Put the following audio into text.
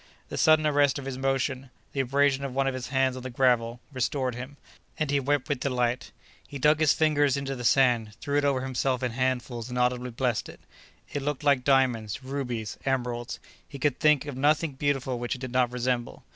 The sudden arrest of his motion, the abrasion of one of his hands on the gravel, restored him, and he wept with delight. He dug his fingers into the sand, threw it over himself in handfuls and audibly blessed it. It looked like diamonds, rubies, emeralds; he could think of nothing beautiful which it did not resemble.